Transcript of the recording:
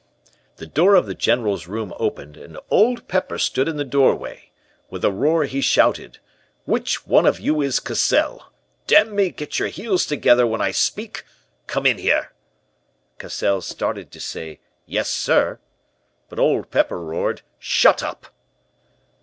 "The door of the General's room opened, and Old Pepper stood in the doorway. With a roar he shouted: "'Which one of you is Cassell? Damn me, get your heels together when I speak! Come in here!' "Cassell started to say, 'Yes, sir.' "But Old Pepper roared, 'Shut up!'